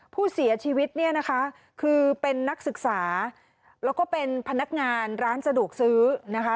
ผู้เสียชีวิตเนี่ยนะคะคือเป็นนักศึกษาแล้วก็เป็นพนักงานร้านสะดวกซื้อนะคะ